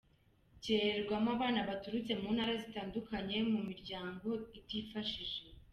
Kirererwamo abana baturutse mu Ntara zitandukanye mu miryango itifashije.